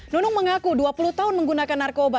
nunung mengaku dua puluh tahun menggunakan narkoba